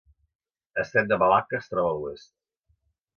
Estret de Malacca es troba a l'oest.